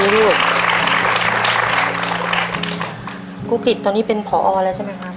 ครูผิดตอนนี้เป็นพอเหรอช่าไหมครับ